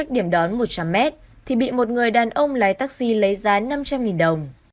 đón một trăm linh mét thì bị một người đàn ông lái taxi lấy giá năm trăm linh đồng